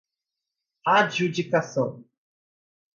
adjudicação